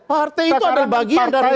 partai itu ada bagian dari